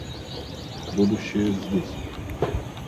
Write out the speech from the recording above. Будущее здесь